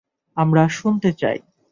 আমরা শুনতে চাই।